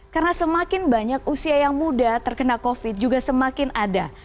karena semakin banyak usia yang muda terkena covid juga semakin ada